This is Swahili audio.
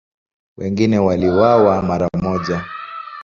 Wengine waliuawa mara moja.